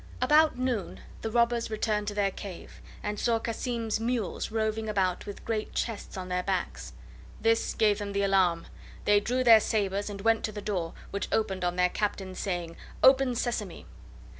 About noon the robbers returned to their cave, and saw Cassim's mules roving about with great chests on their backs. This gave them the alarm; they drew their sabres, and went to the door, which opened on their Captain's saying: "Open, Sesame!"